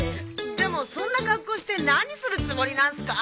でもそんな格好して何するつもりなんすか？